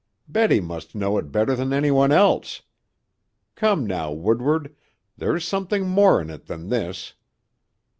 Betty must know it better than any one else. Come, now, Woodward, there's something more in it than this?"